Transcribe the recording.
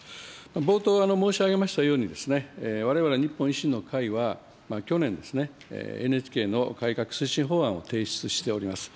冒頭申し上げましたように、われわれ日本維新の会は、去年、ＮＨＫの改革推進法案を提出しております。